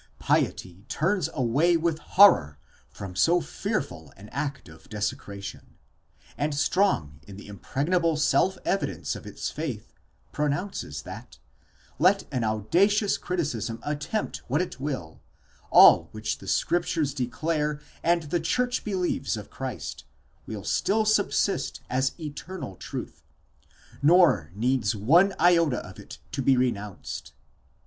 Piety turns away with horror from so fearful an act of desecration, and strong in the impreg nable self evidence of its faith, pronounces that, let an audacious criticism attempt what it will, all which the Scriptures declare, and the Church believes of Christ, will still subsist as eternal truth, nor needs one iota of it to be re nounced.